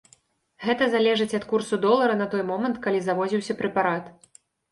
Гэта залежыць ад курсу долара на той момант, калі завозіўся прэпарат.